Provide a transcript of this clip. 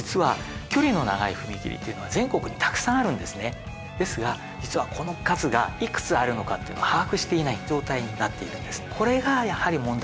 実はですが実はこの数がいくつあるのかっていうのを把握していない状態になっているんです。